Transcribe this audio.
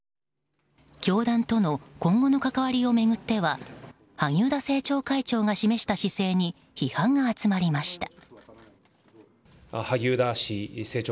教団との今後の関わりを巡っては萩生田政調会長が示した姿勢に批判が集まりました。